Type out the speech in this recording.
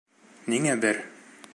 Ниңә бер?